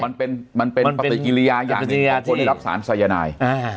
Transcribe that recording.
มันเป็นปฏิกิริยาอย่างรับสารไซยานาย